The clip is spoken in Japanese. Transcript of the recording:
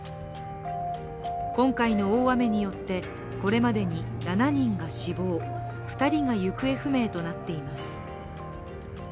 今回の大雨によってこれまでに７人が死亡、２人が行方不明となっています。